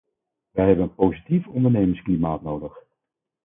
Wij hebben een positief ondernemersklimaat nodig.